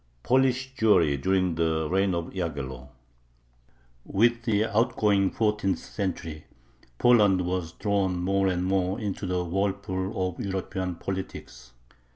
POLISH JEWRY DURING THE REIGN OF YAGHELLO With the outgoing fourteenth century, Poland was drawn more and more into the whirlpool of European politics.